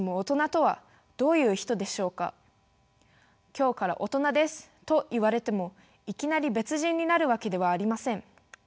今日から大人ですと言われてもいきなり別人になるわけではありません。